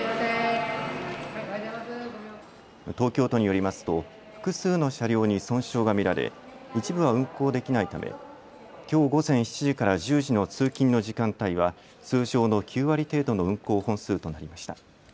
東京都によりますと複数の車両に損傷が見られ一部は運行できないためきょう午前７時から１０時の通勤の時間帯は通常の９割程度の運行本数となりました。